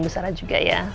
bu sarah juga ya